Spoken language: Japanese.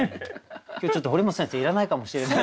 今日ちょっと堀本先生いらないかもしれない。